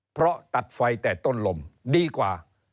เพราะตัดไฟแต่ต้นลมดีกว่า